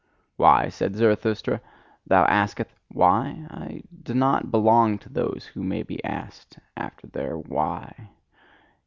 "Why?" said Zarathustra. "Thou askest why? I do not belong to those who may be asked after their Why.